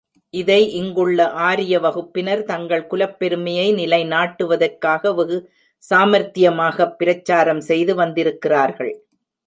இதை இங்குள்ள ஆரிய வகுப்பினர் தங்கள் குலப் பெருமையை நிலைநாட்டுவதற்காக வெகு சாமர்த்தியமாகப் பிரச்சாரம் செய்து வந்திருக்கிறார்கள்.